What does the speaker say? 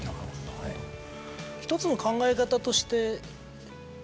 １つの考え方として。